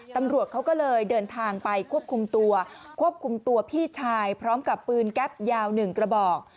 ตำรวจเขาก็เลยเดินทางไปควบคุมตัวควบคุมตัวพี่ชายพร้อมกับปืนแก๊ปยาว๑กระบอก